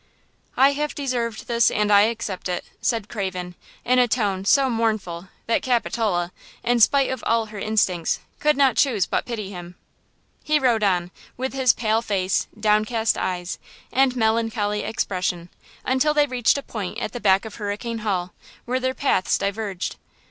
"I have deserved this and I accept it," said Craven, in a tone so mournful that Capitola, in spite of all her instincts, could not choose but pity him. He rode on, with his pale face, downcast eyes and melancholy expression, until they reached a point at the back of Hurricane Hall, where their paths diverged.